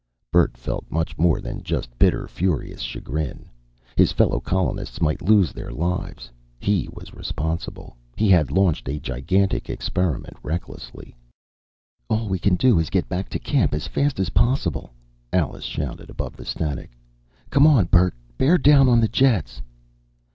Bert felt much more than just bitter, furious chagrin. His fellow colonists might lose their lives. He was responsible. He had launched a gigantic experiment recklessly. "All we can do is get back to camp as fast as possible," Alice shouted above the static. "Come on, Bert! Bear down on the jets!"